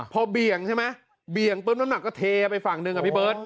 พอเบี่ยงใช่ไหมเบี่ยงปุ๊บน้ำหนักก็เทไปฝั่งหนึ่งอ่ะพี่เบิร์ต